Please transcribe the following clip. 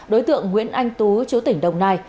đối tượng nguyễn anh tú chú tỉnh đồng nai